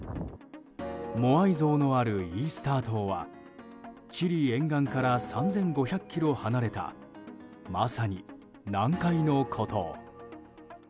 モアイ像のあるイースター島はチリ沿岸から３５００ｋｍ離れたまさに南海の孤島。